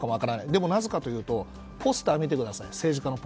でもなぜかというと政治家のポスター見てください。